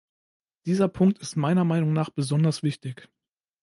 Dieser Punkt ist meiner Meinung nach besonders wichtig.